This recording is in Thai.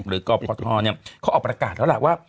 หรือก็พอท้อนเขาออกประกาศแล้วแหละว่า